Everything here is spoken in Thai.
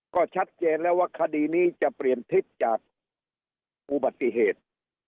ก็ชัดเจนแล้วว่าคดีนี้จะเปลี่ยนทิศจากอุบัติเหตุ